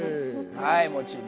はい。